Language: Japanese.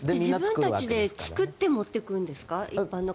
自分たちで作って持っていくんですか？